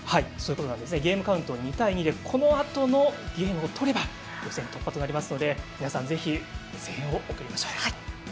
ゲームカウント２対２でこのあとのゲームをとれば予選突破となりますので皆さん、ぜひ声援を送りましょう。